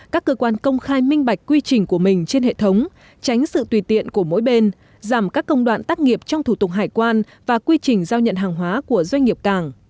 các cơ quan công khai minh bạch quy trình của mình trên hệ thống tránh sự tùy tiện của mỗi bên giảm các công đoạn tắt nghiệp trong thủ tục hải quan và quy trình giao nhận hàng hóa của doanh nghiệp cảng